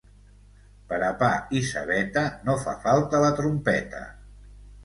Per a pa i cebeta no fa falta la trompeta.